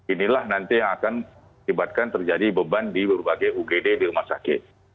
inilah nanti yang akan tibakan terjadi beban di berbagai ugd di rumah sakit